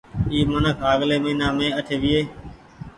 اي منک آگلي مهينآ مين اٺي ويئي۔